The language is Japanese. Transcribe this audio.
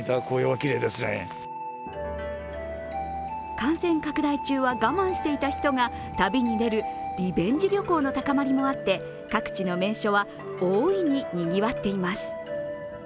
感染拡大中は我慢していた人たちが、旅に出るリベンジ旅行の高まりもあって各地の名所は大いににぎわっています。